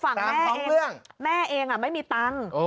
ฝั่งแม่เองแม่เองไม่มีตังค์